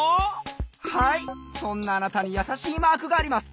はいそんなあなたにやさしいマークがあります。